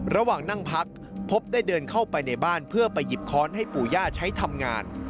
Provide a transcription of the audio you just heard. ระหว่างนั่งพักพบได้เดินเข้าไปในบ้านเพื่อไปหยิบค้อนให้ปู่ย่าใช้ทำงาน